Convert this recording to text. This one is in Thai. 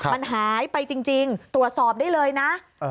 มันหายไปจริงตรวจสอบได้เลยนะ